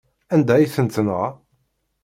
Anda ay tent-tenɣa?